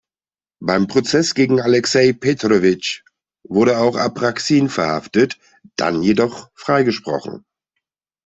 Beim Prozess gegen Alexei Petrowitsch wurde auch Apraxin verhaftet, dann jedoch freigesprochen.